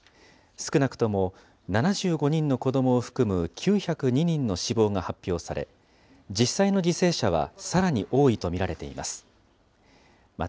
少なくとも７５人の子どもを含む９０２人の死亡が発表され、実際の犠牲者はさらに多いと見られています。